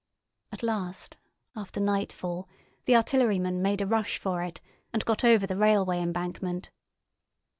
At last, after nightfall, the artilleryman made a rush for it and got over the railway embankment.